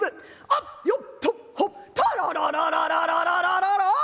あっよっとっほったらららららららららい」。